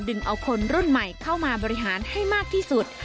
ดึงเอาคนรุ่นใหม่เข้ามาบริหารให้มากที่สุด